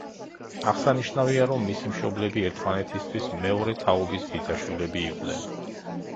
აღსანიშნავია, რომ მისი მშობლები ერთმანეთისათვის მეორე თაობის ბიძაშვილები იყვნენ.